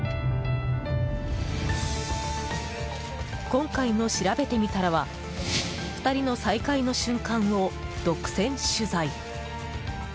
今回のしらべてみたらは２人の再会の瞬間を独占取材。